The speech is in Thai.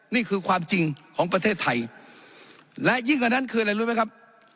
นี่คือความจริงของประเทศไทยและยิ่งกว่านั้นคืออะไรรู้ไหมครับ